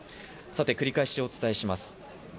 繰り返しお伝えします。